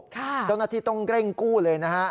ต้องกระเทียงกู้เลยนะครับ